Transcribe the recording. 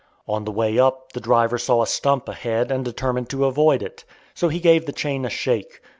On the way up the driver saw a stump ahead and determined to avoid it. So he gave the chain a shake.